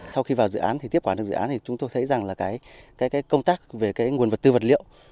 sau khi vào dự án tiếp quản dự án chúng tôi thấy công tác về nguồn vật tư vật liệu